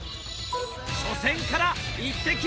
初戦からイッテＱ！